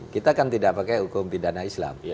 kita kan tidak pakai hukum pidana islam